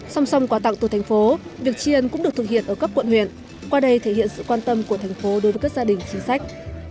song song quà tặng từ thành phố việc tri ân cũng được thực hiện ở các quận huyện qua đây thể hiện sự quan tâm của thành phố đối với các gia đình chính sách